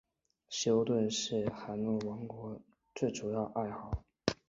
希优顿是洛汗国王塞哲尔最为要好。